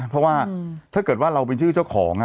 เพราะว่าถ้าเกิดว่าเราเป็นชื่อเจ้าของ